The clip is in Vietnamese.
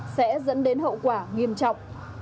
sẽ dẫn đến hậu quả nghiêm trọng